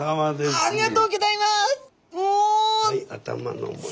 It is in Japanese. ありがとうございます。